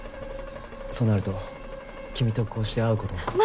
そうなると君とこうして会う事も。